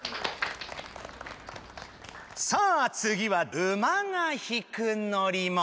さあ次は「ウマ」が引く乗り物。